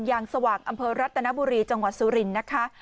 ยางสว่างอำเภอรัตนบุรีจังหวัดสุรินทร์นะคะ